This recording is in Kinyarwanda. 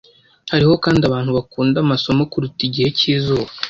Hariho kandi abantu bakunda amasoko kuruta igihe cyizuba.